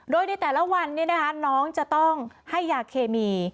โดยในแต่ละวันน้องจะต้องให้ยาเคมี